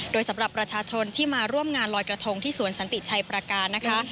โดยสำหรับประชาชนที่มาร่วมงานลอยกระทงที่สวนสันติชัยประการนะคะ